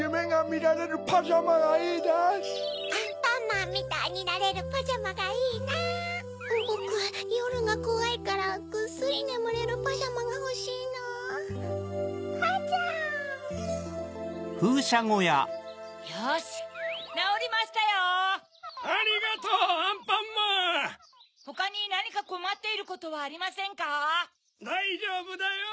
だいじょうぶだよ！